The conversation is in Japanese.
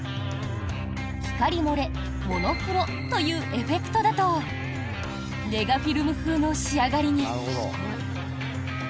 光漏れ、モノクロというエフェクトだとネガフィルム風の仕上がりに。